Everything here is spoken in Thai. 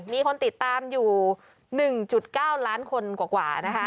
มีคนติดตามอยู่๑๙ล้านคนกว่านะคะ